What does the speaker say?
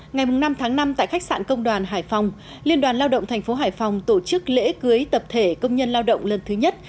ngày năm tháng năm tại khách sạn công đoàn hải phòng liên đoàn lao động thành phố hải phòng tổ chức lễ cưới tập thể công nhân lao động lần thứ nhất